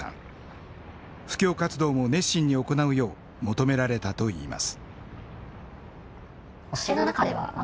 布教活動も熱心に行うよう求められたといいます。